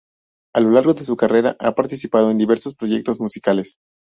A lo largo de su carrera ha participado en diversos proyectos musicales.